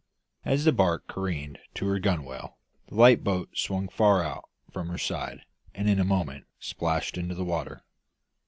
As the barque careened to her gunwale, the light boat swung far out from her side, and in a moment splashed into the water.